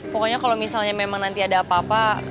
pokoknya kalau misalnya memang nanti ada apa apa